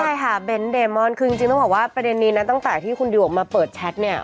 ใช่ค่ะเบ้นเดมอนคือจริงต้องบอกว่าประเด็นนี้นะตั้งแต่ที่คุณดิวออกมาเปิดแชทเนี่ย